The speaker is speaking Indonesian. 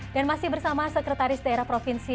dan masih bersama sekretaris daerah provinsi